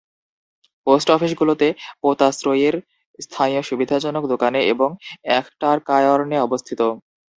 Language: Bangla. পোস্ট অফিসগুলো পোতাশ্রয়ের স্থানীয় সুবিধাজনক দোকানে এবং অ্যাখটারকায়র্নে অবস্থিত।